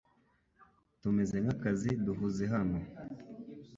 Tumeze nk'akazi duhuze hano .